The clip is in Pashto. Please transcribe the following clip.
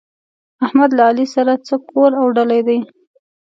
احمد له علي سره څه کور اوډلی دی؟!